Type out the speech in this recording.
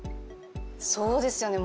そうですよね